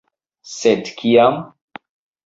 Sed kiam?